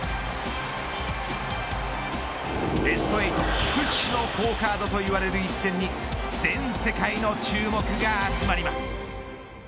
ベスト８屈指の好カードといわれる一戦に全世界の注目が集まります。